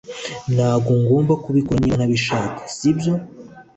Ntabwo ngomba kubikora niba ntabishaka, sibyo?